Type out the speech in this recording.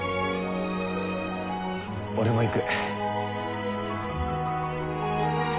俺も行く。